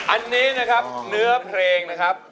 อันนี้นะครับเนื้อเพลงนะครับ